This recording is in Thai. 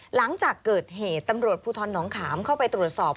หลังจากเกิดเหตุตำรวจภูทรน้องขามเข้าไปตรวจสอบ